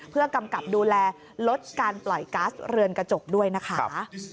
เพื่อกำกับดูแลลดการปล่อยกัสเรือนกระจกด้วยนะคะ